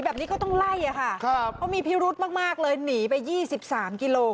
เพราะมีพิรุธมากเลยหนีไป๒๓กิโลกรัม